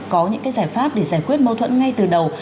có những giải pháp để giải quyết mâu thuẫn ngay từ đầu